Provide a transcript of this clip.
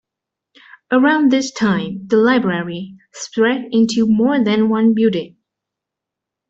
Around this time, the library spread into more than one building.